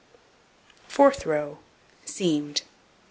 Fourth row: Seamed.